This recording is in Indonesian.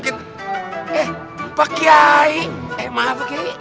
eh pak kiai maaf pak kiai